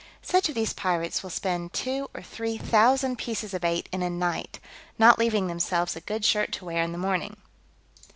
Such of these pirates will spend two or three thousand pieces of eight in a night, not leaving themselves a good shirt to wear in the morning.